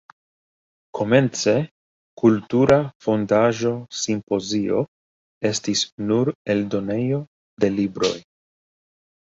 Komence, Kultura Fondaĵo Simpozio estis nur eldonejo de libroj.